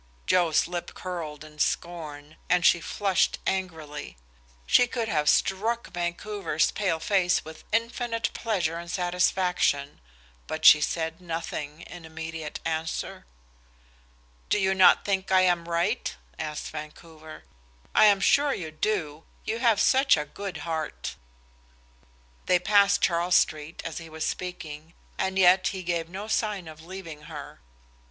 Joe's lip curled in scorn, and she flushed angrily. She could have struck Vancouver's pale face with infinite pleasure and satisfaction, but she said nothing in immediate answer. "Do you not think I am right?" asked Vancouver. "I am sure you do; you have such a good heart." They passed Charles Street as he was speaking, and yet he gave no sign of leaving her.